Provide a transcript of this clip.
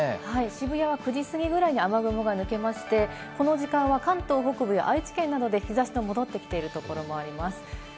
渋谷は９時過ぎぐらいに雨雲が抜けまして、この時間は関東北部や愛知県などで日差しが戻ってきているところもあります。